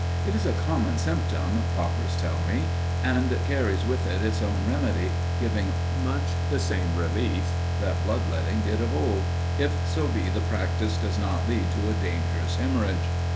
It is a common symptom, paupers tell me, and carries with it its own remedy, giving much the same relief that blood letting did of old, if so be the practice does not lead to a dangerous hemorrhage.